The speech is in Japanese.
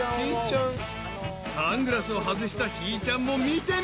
［サングラスを外したひいちゃんも見てみたい］